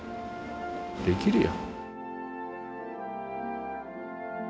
できるよ。